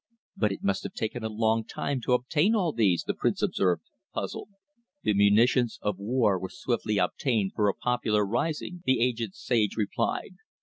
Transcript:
"But it must have taken a long time to obtain all these," the Prince observed, puzzled. "The munitions of war were swiftly obtained for a popular rising," the aged sage replied.